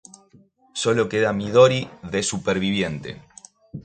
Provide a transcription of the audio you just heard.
Sólo queda Midori de superviviente.